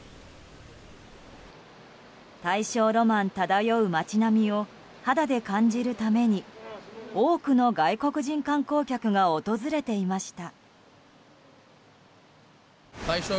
大正ロマン漂う街並みを肌で感じるために多くの外国人観光客が訪れていました。